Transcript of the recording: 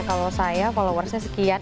kalau saya followersnya sekian